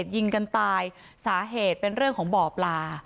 ยิงกันตายสาเหตุเป็นเรื่องของบ่อปลา